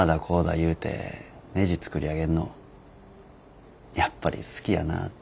言うてねじ作り上げんのやっぱり好きやなぁて。